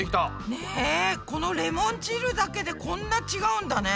ねこのレモン汁だけでこんな違うんだね。